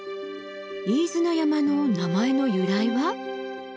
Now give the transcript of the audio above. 飯縄山の名前の由来は？